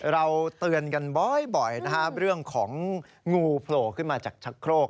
เราเตือนกันบ่อยนะครับเรื่องของงูโผล่ขึ้นมาจากชะโครก